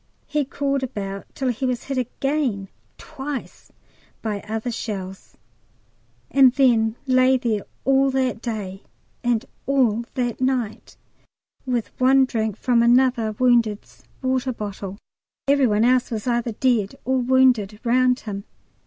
He crawled about till he was hit again twice by other shells, and then lay there all that day and all that night, with one drink from another wounded's water bottle; every one else was either dead or wounded round him.